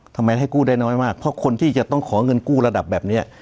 ทำไมให้กู้ได้น้อยมากเพราะคนที่จะต้องขอเงินกู้ระดับแบบนี้